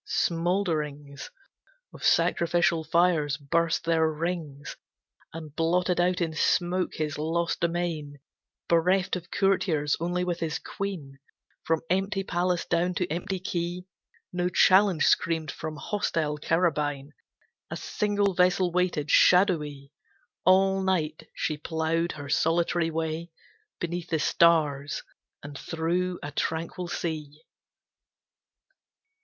Smoulderings Of sacrificial fires burst their rings And blotted out in smoke his lost domain. Bereft of courtiers, only with his queen, From empty palace down to empty quay. No challenge screamed from hostile carabine. A single vessel waited, shadowy; All night she ploughed her solitary way Beneath the stars, and through a tranquil sea.